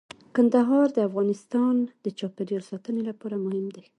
کندهار د افغانستان د چاپیریال ساتنې لپاره مهم دي.